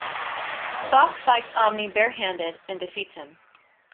Spock fights Omne bare-handed and defeats him.